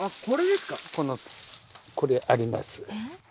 このこれあります。